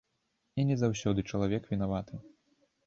І не заўсёды чалавек вінаваты.